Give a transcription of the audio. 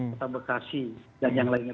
kota bekasi dan yang lainnya